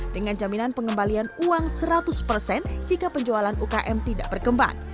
dengan jaminan pengembalian uang seratus persen jika penjualan ukm tidak berkembang